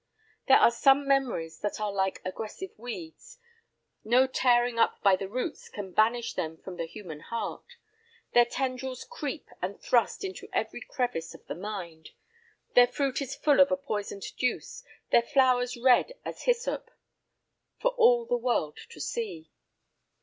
There are some memories that are like aggressive weeds, no tearing up by the roots can banish them from the human heart. Their tendrils creep and thrust into every crevice of the mind. Their fruit is full of a poisoned juice, their flowers red as hyssop—for all the world to see.